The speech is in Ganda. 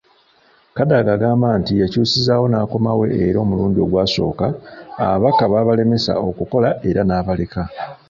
Kadaga agamba nti yakyusizaawo n'akomawo era omulundi ogwasooka, ababaka babalemesa okukola era n'abaleka.